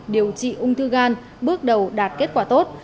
điều trị ung thư gan bước đầu đạt kết quả tốt